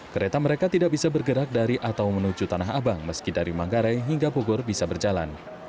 kereta mereka tidak bisa bergerak dari atau menuju tanah abang meski dari manggarai hingga bogor bisa berjalan